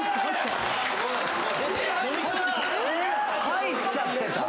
入っちゃってた？